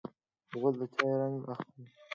غول د چای رنګ اخلي.